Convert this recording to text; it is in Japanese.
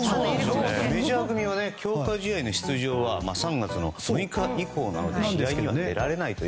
メジャー組は強化試合の出場は３月の６日以降なので試合には出られませんが